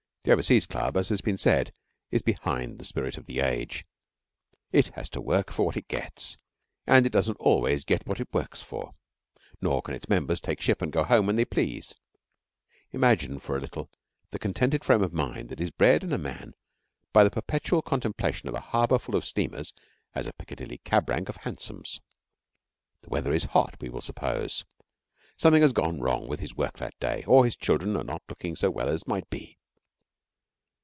The Overseas Club, as has been said, is behind the spirit of the age. It has to work for what it gets, and it does not always get what it works for. Nor can its members take ship and go home when they please. Imagine for a little, the contented frame of mind that is bred in a man by the perpetual contemplation of a harbour full of steamers as a Piccadilly cab rank of hansoms. The weather is hot, we will suppose; something has gone wrong with his work that day, or his children are not looking so well as might be.